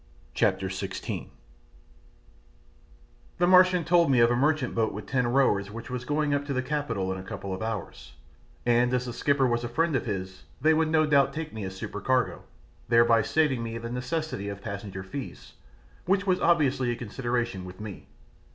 CHAPTER XVI The Martian told me of a merchant boat with ten rowers which was going up to the capital in a couple of hours, and as the skipper was a friend of his they would no doubt take me as supercargo, thereby saving the necessity of passenger fees, which was obviously a consideration with me.